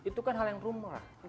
itu kan hal yang rumuh lah